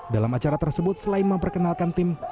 dalam acara tersebut selain memperkenalkan tim